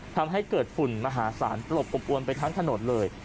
จะให้เกิดฝุ่นมหาศาลตลกปวนทั้งทางถนนเลย